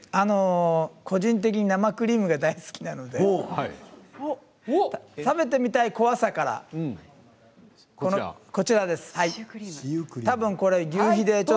個人的に生クリームが大好きなので食べてみたい怖さからシュークリーム。